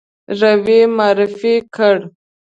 روی معرفي کړ.